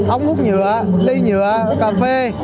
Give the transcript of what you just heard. ống hút nhựa ly nhựa cà phê